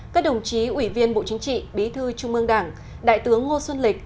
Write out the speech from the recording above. các đồng chí ủy viên bộ chính trị bí thư trung ương đảng đại tướng ngô xuân lịch